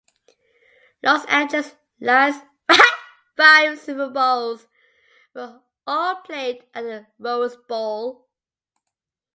Los Angeles's last five Super Bowls were all played at the Rose Bowl.